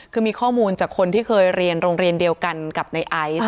คือมีข้อมูลจากคนที่เคยเรียนโรงเรียนเดียวกันกับในไอซ์